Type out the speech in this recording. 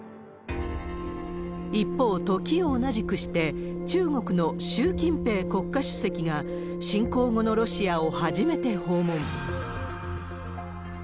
一方、時を同じくして、中国の習近平国家主席が、侵攻後のロシアを初めて訪問。